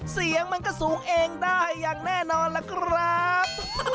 เสียงมันก็สูงเองได้อย่างแน่นอนล่ะครับ